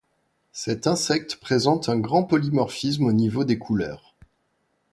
Cet insecte présente un grand polymorphisme au niveau des couleurs.